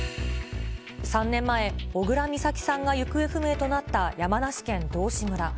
３年前、小倉美咲さんが行方不明となった山梨県道志村。